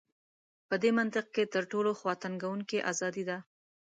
په دې منطق کې تر ټولو خواتنګوونکې ازادي ده.